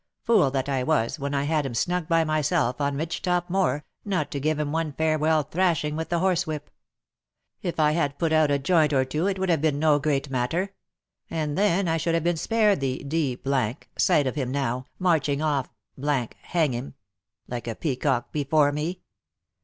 Fool that I was, when I had him snug by myself on Ridgetop Moor, not to give him one farewell thrashing with the horsewhip! If I had put out a joint or two, it would have been no great matter ; and then I should have been spared the d — d sight of him now, marching off — hang him ! like a peacock before me!